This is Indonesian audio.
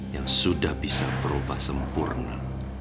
yang sudah bisa berubah sempurna